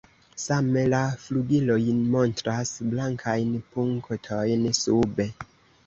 Same la flugiloj montras blankajn punktojn sube.